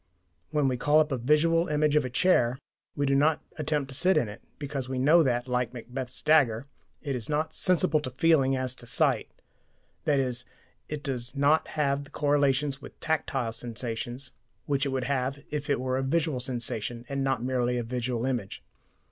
When we call up a visual image of a chair, we do not attempt to sit in it, because we know that, like Macbeth's dagger, it is not "sensible to feeling as to sight" i.e. it does not have the correlations with tactile sensations which it would have if it were a visual sensation and not merely a visual image.